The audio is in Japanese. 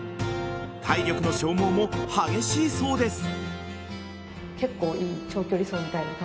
体力の消耗も激しいそうです。